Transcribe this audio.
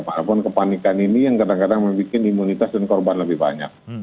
walaupun kepanikan ini yang kadang kadang membuat imunitas dan korban lebih banyak